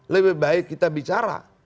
lebih baik kita bicara